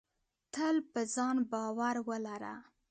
تل په ځان باور ولره.